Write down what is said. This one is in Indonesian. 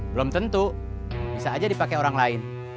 belum tentu bisa aja dipakai orang lain